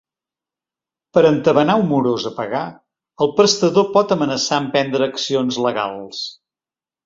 Per entabanar un morós a pagar, el prestador pot amenaçar en prendre accions legals.